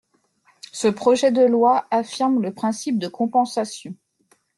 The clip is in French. Ce projet de loi affirme le principe de compensation.